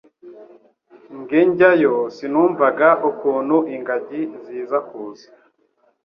Nge njyayo sinumvaga ukuntu ingagi ziza kuza